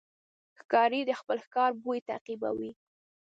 ښکاري د خپل ښکار بوی تعقیبوي.